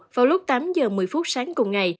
vào lúc tám giờ một mươi phút sáng cùng ngày